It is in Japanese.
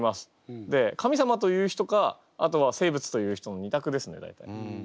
で「神様」と言う人かあとは「生物」と言う人の２択ですね大体。